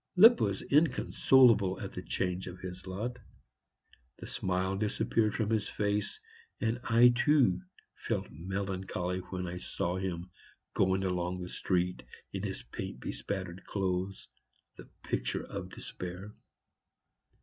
Lipp was inconsolable at the change in his lot. The smile disappeared from his face, and I too felt melancholy when I saw him going along the street in his paint bespattered clothes, the picture of despair.